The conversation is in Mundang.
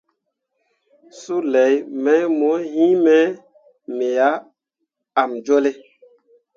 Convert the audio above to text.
Sulei mai mo yinme, me ah emjolle.